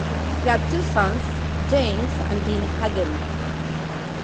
They had two sons, James and Deane Hagen.